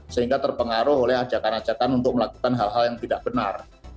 sehingga terpengaruh oleh ajakan ajakan untuk melakukan hal hal yang tidak benar